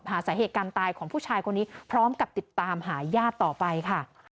สาเหตุการณ์ตายของผู้ชายคนนี้พร้อมกับติดตามหาญาติต่อไปค่ะ